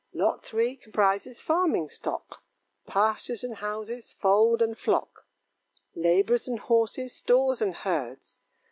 Lot three comprises farming stock, Pastures and houses, fold and flock; Labourers and horses, stores and herds.